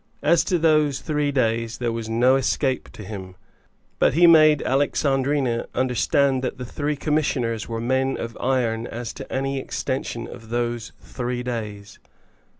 As to those three days there was no escape for him; but he made Alexandrina understand that the three Commissioners were men of iron as to any extension of those three days.